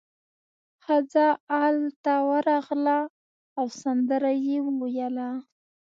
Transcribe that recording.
ښځه ال ته ورغله او سندره یې وویله.